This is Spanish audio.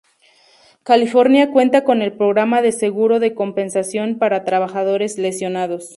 California cuenta con el Programa de Seguro de Compensación para Trabajadores Lesionados.